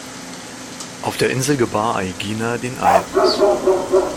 Auf der Insel gebar Aigina den Aiakos.